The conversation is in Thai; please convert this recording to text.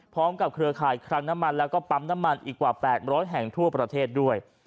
เครือข่ายคลังน้ำมันแล้วก็ปั๊มน้ำมันอีกกว่า๘๐๐แห่งทั่วประเทศด้วย